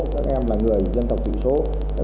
các em là người dân tộc tỷ số